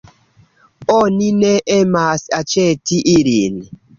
Oni ne emas aĉeti ilin.